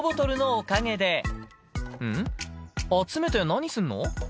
集めて何すんの？